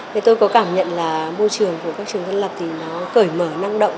thì tôi có cảm nhận là môi trường của các trường dân lập thì nó cởi mở năng động